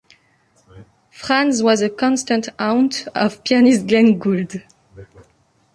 Fran's was a constant haunt of pianist Glenn Gould.